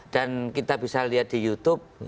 dan kita bisa lihat di youtube